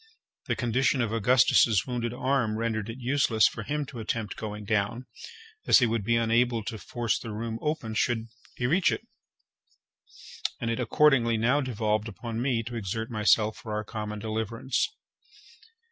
The condition of Augustus's wounded arm rendered it useless for him to attempt going down, as he would be unable to force the room open should he reach it, and it accordingly now devolved upon me to exert myself for our common deliverance.